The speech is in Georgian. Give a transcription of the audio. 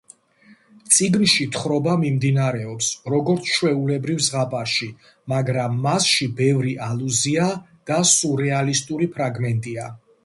წიგნში თხრობა მიმდინარეობს, როგორც ჩვეულებრივ ზღაპარში, მაგრამ მასში ბევრი ალუზია და სურეალისტური ფრაგმენტია.